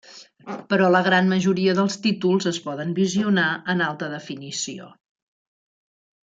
Però la gran majoria dels títols es poden visionar en alta definició.